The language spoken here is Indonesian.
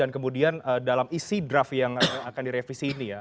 kemudian dalam isi draft yang akan direvisi ini ya